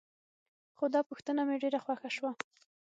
خو دا پوښتنه مې ډېره خوښه شوه.